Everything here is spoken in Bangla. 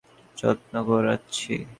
আমি আমার ছেলের সুস্থতার জন্য যজ্ঞ করাচ্ছি।